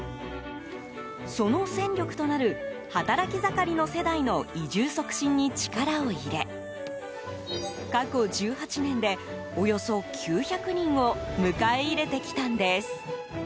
その戦力となる働き盛りの世代の移住促進に力を入れ過去１８年で、およそ９００人を迎え入れてきたんです。